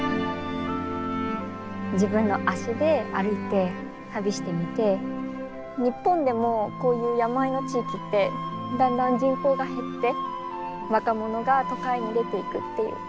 自分の足で歩いて旅してみて日本でもこういう山あいの地域ってだんだん人口が減って若者が都会に出ていくっていう。